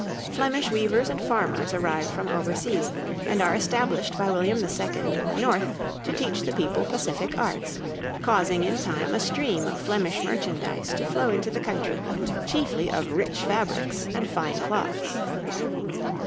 Flemish weavers and farmers arrive from overseas, and are established by William II. in the North to teach the people pacific arts, causing in time a stream of Flemish merchandise to flow into the country, chiefly of rich fabrics and fine cloths.